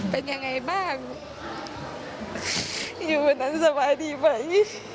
เป็นยังไงบ้างอยู่วันนั้นสบายดีไหม